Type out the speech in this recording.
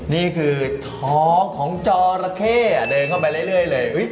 นี่คือท้องของจอระเข้เดินเข้าไปเรื่อยเลย